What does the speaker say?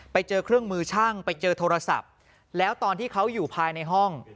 ไปเจอเครื่องมือช่างไปเจอโทรศัพท์แล้วตอนที่เขาอยู่ภายในห้อง